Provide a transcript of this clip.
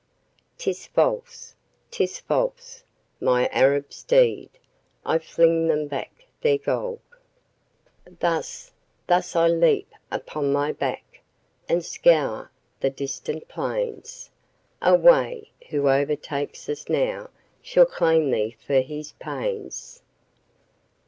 'Tis false 'tis false, my Arab steed! I fling them back their gold. Thus, thus I leap upon thy back, and scour the distant plains, Away! who overtakes us now shall claim thee for his pains!